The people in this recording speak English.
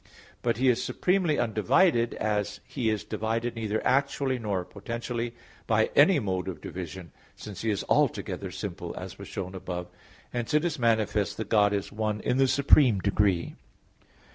But He is supremely undivided inasmuch as He is divided neither actually nor potentially, by any mode of division; since He is altogether simple, as was shown above (Q. 3, A. 7). Hence it is manifest that God is one in the supreme degree.